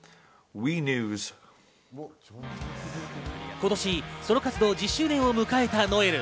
今年ソロ活動１０周年を迎えたノエル。